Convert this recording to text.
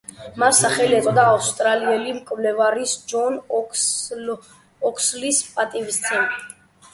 მას სახელი ეწოდა ავსტრალიელი მკვლევარის, ჯონ ოქსლის პატივსაცემად.